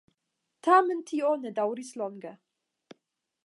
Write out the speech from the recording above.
Tamen tio ne daŭris longe.